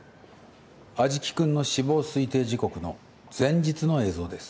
安食君の死亡推定時刻の前日の映像です。